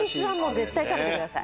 絶対食べてください。